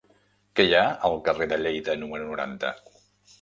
Què hi ha al carrer de Lleida número noranta?